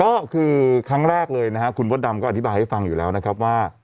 ก็คือครั้งแรกเลยนะครับคุณมดดำก็อธิบายให้ฟังอยู่แล้วนะครับว่า